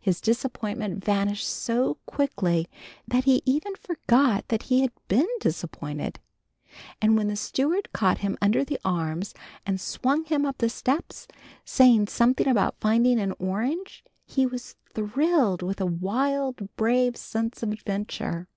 His disappointment vanished so quickly that he even forgot that he had been disappointed, and when the steward caught him under the arms and swung him up the steps, saying something about finding an orange, he was thrilled with a wild brave sense of adventure.